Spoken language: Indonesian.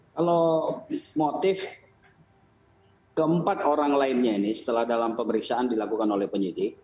kalau motif keempat orang lainnya ini setelah dalam pemeriksaan dilakukan oleh penyidik